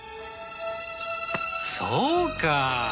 そうか。